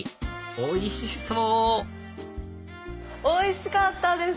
おいしかったです！